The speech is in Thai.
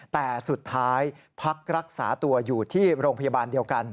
แต่สุดท้ายพักรักษาตัวอยู่ที่โรงพยาบาลเดียวกัน